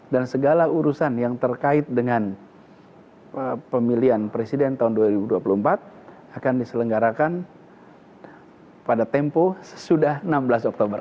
dan segala urusan yang terkait dengan pemilihan presiden tahun dua ribu dua puluh empat akan diselenggarakan pada tempo sesudah enam belas oktober